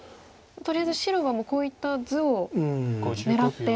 とりあえず白はこういった図を狙って。